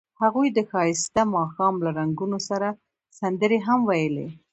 هغوی د ښایسته ماښام له رنګونو سره سندرې هم ویلې.